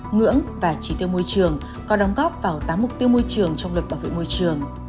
ngưỡng và trí tiêu môi trường có đóng góp vào tám mục tiêu môi trường trong luật bảo vệ môi trường